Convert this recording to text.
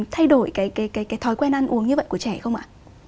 thay đổi cái thói quen ăn uống như vậy của trẻ không ạ